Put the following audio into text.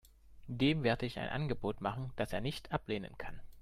Dem werde ich ein Angebot machen, das er nicht ablehnen kann.